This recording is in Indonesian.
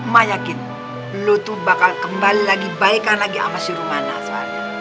mak yakin lo tuh bakal kembali lagi baikkan lagi sama si rumana soalnya